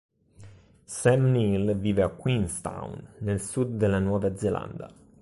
Sam Neill vive a Queenstown, nel sud della Nuova Zelanda.